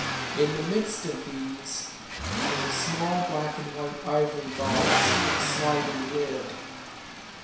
In the midst of these was a small black and white ivory box with a sliding lid.